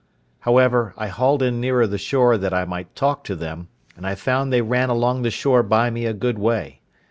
However, I hauled in nearer the shore that I might talk to them, and I found they ran along the shore by me a good way.